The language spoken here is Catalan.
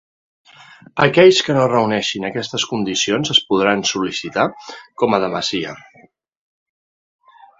Aquells que no reuneixin aquestes condicions es podran sol·licitar com a demesia.